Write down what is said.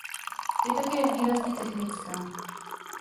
Je také výrazně technická.